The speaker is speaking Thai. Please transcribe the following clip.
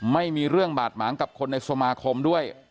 ไม่มีเรื่องบาดหมางกับคนในสมาคมด้วย